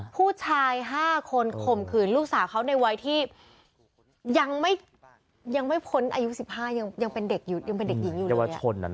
ผู้ชาย๕คนข่มขืนลูกสาวเขาในวัยที่ยังไม่พ้นอายุ๑๕ยังเป็นเด็กยิงอยู่เลย